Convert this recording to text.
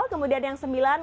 kemudian yang sembilan